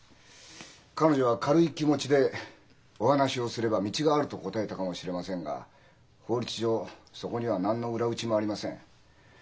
彼女は軽い気持ちで「お話をすれば道がある」と答えたかもしれませんが法律上そこには何の裏打ちもありません。